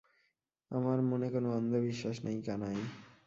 আমার মনে কোনো অন্ধ বিশ্বাস নেই কানাই।